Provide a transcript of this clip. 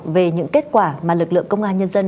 về những kết quả mà lực lượng công an nhân dân